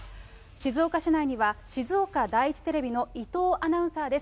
静岡市内には静岡第一テレビの伊藤アナウンサーです。